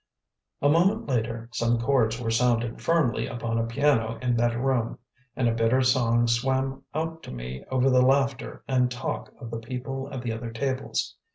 A moment later some chords were sounded firmly upon a piano in that room, and a bitter song swam out to me over the laughter and talk of the people at the other tables.